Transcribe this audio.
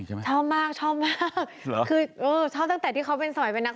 ชอบมากชอบมากเหรอคือเออชอบตั้งแต่ที่เขาเป็นสมัยเป็นนาง